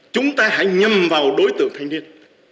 chúng ta hãy nhâm vào đối tượng thanh niên